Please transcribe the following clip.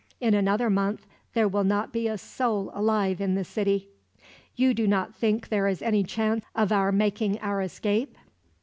In another month there will not be a soul alive in the city. "You do not think there is any chance of our making our escape?"